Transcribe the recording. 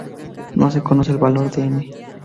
No se conoce el valor de "n".